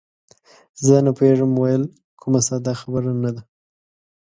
زه نه پوهېږم ویل، کومه ساده خبره نه ده.